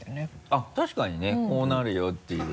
あっ確かにねこうなるよっていう。